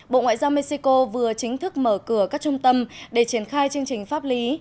bộ ngoại giao mexico vừa chính thức mở cửa các trung tâm để triển khai chương trình pháp lý